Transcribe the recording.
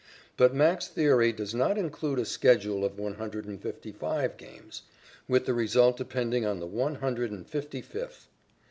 But Mack's theory does not include a schedule of one hundred and fifty five games, with the result depending on the one hundred and fifty fifth.